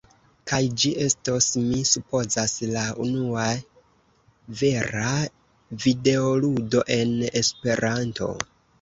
kaj ĝi estos, mi supozas, la unua vera videoludo en Esperanto.